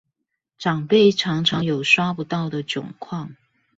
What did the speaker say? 長輩常常有刷不到的窘況